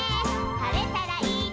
「晴れたらいいね」